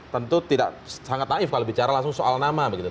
tentu tidak sangat naif kalau bicara langsung soal nama begitu